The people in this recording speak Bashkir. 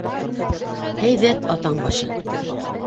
Һәйбәт, атаң башы!